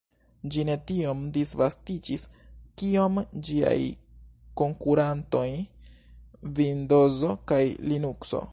Ĝi ne tiom disvastiĝis kiom ĝiaj konkurantoj Vindozo kaj Linukso.